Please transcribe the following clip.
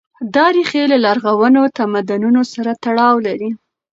دا ريښې له لرغونو تمدنونو سره تړاو لري.